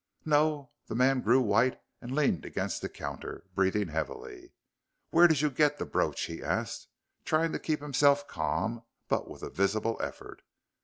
"No." The man grew white and leaned against the counter, breathing heavily. "Where did you get the brooch?" he asked, trying to keep himself calm, but with a visible effort.